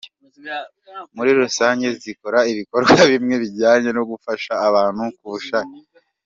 Muri rusange zikora ibikorwa bimwe bijyanye no gufasha abantu ku bushake.